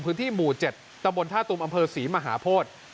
พื้นที่หมู่๗ตำบลท่าตุมอำเภอศรีมหาโพธิ